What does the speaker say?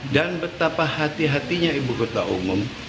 dan betapa hati hatinya ibu kota umum